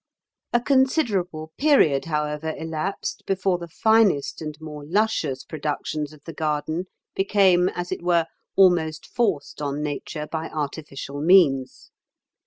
A considerable period, however, elapsed before the finest and more luscious productions of the garden became as it were almost forced on nature by artificial means.